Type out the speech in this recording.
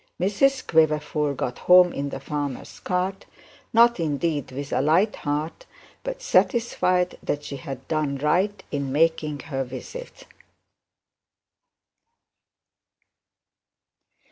Mrs Quiverful got home in the farmer's cart, not indeed with a light heart, but satisfied that she had done right in making her visit.